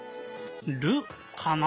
「る」かな？